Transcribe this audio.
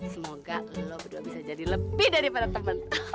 semoga lo berdua bisa jadi lebih daripada temen